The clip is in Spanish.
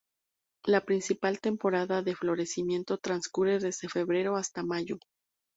La principal temporada de florecimiento transcurre desde febrero hasta mayo.